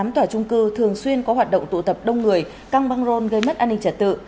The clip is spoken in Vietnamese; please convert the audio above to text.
tám tòa trung cư thường xuyên có hoạt động tụ tập đông người căng băng rôn gây mất an ninh trật tự